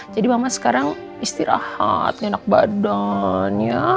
jadi mama sekarang istirahat enak badan ya